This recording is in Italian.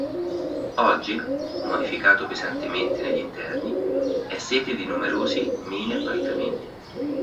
Oggi, modificato pesantemente negli interni, è sede di numerosi mini-appartamenti.